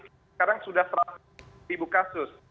sekarang sudah seratus ribu kasus